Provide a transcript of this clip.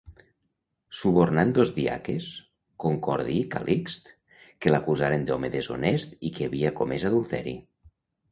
Subornant dos diaques, Concordi i Calixt, que l'acusaren d'home deshonest i que havia comès adulteri.